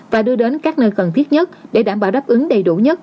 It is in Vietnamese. và đưa đến các nơi cần thiết nhất để đảm bảo đáp ứng đầy đủ nhất